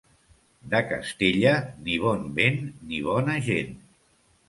De Castella, ni bon vent ni bona gent.